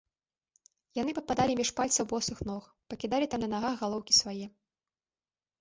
Яны пападалі між пальцаў босых ног, пакідалі там на нагах галоўкі свае.